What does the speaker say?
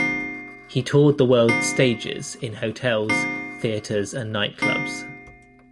He toured the world's stages in hotels, theaters and nightclubs.